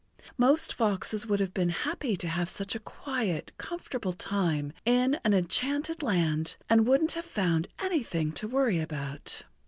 Most foxes would have been happy to have such a quiet, comfortable time in an enchanted land and wouldn't have found anything to worry about.